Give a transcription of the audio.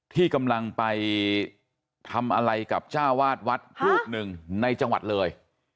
ที่กำลังไปทำอะไรกับจ้าวาดวัดรูปหนึ่งในจังหวัดเลย